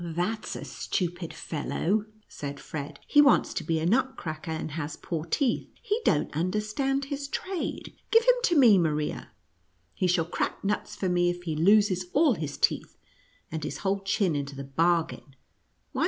"That's a stupid fellow," said Fred. "He wants to be a nutcracker, and has poor teeth — he don't understand his trade. Give him to me, Maria. He shall crack nuts for me if he loses all his teeth, and his whole chin into the bargain.